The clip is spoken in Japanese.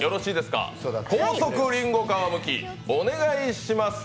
高速りんご皮むきお願いします。